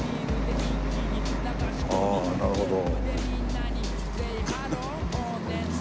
ああなるほど。